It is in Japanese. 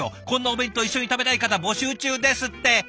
こんなお弁当一緒に食べたい方募集中ですって。